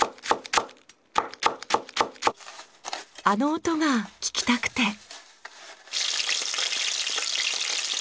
あの音が聞きたくて。